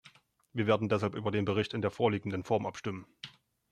Wir werden deshalb über den Bericht in der vorliegenden Form abstimmen.